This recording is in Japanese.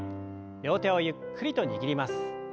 両手をゆっくりと握ります。